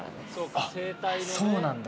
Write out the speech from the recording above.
あっそうなんだ。